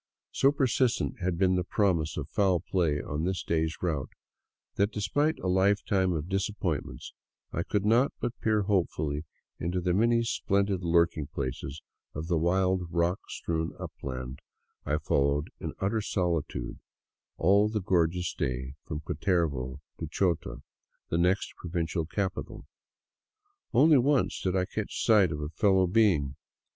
So per sistent had been the promise of foul play on this day's route that, de J spite a^fetime of disappointments, I could not but peer hopefully into the many splendid lurking places of the wild, rock strewn upland I followed in utter solitude all the gorgeous day from Cutervo to Chota, | the next provincial capital. Only once did I catch sight of fellow J beings.